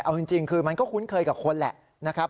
เอาจริงคือมันก็คุ้นเคยกับคนแหละนะครับ